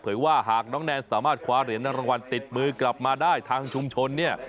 ว่าหากน้องแนนสามารถคว้าเหรียญรางวัลติดมือกลับมาได้ทางชุมชนเนี่ย